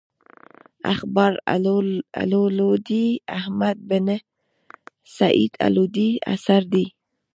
اخبار اللودي احمد بن سعيد الودي اثر دﺉ.